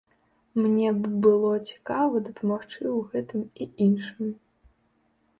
Мне б было цікава дапамагчы ў гэтым і іншым.